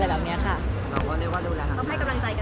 อ๋อว่าดูแลค่ะต้องให้กำลังใจกันไว้